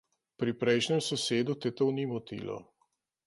Pri prejšnjem sosedu te to ni motilo.